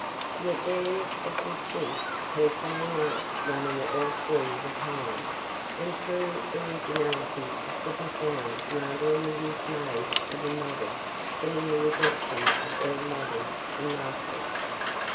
Yet there is a distinct personal note running all through the poem, and true originality is to be found rather in the use made of a model than in the rejection of all models and masters.